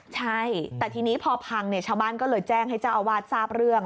ใช่แต่ทีนี้พอพังชาวบ้านก็เลยแจ้งให้เจ้าอาวาสทราบเรื่อง